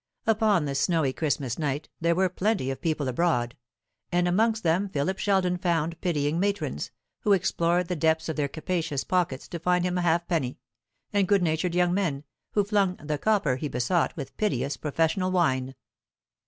Upon this snowy Christmas night there were plenty of people abroad; and amongst them Philip Sheldon found pitying matrons, who explored the depths of their capacious pockets to find him a halfpenny, and good natured young men, who flung the "copper" he besought with piteous professional whine.